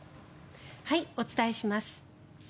お伝えします。